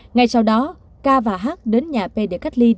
ngày sau đó k và h đến nhà pd